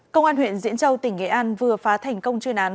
công an huyện diễn châu tỉnh nghệ an vừa phá thành công chuyên án